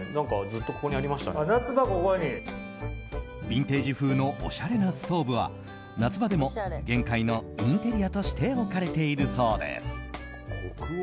ビンテージ風のおしゃれなストーブは夏場でも玄関のインテリアとして置かれているそうです。